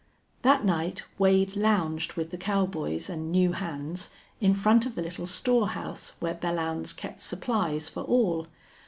That night Wade lounged with the cowboys and new hands in front of the little storehouse where Belllounds kept supplies for all.